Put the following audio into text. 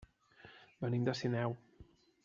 Venim de Sineu.